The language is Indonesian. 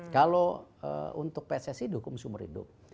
kalau untuk pssc dukung sumur hidup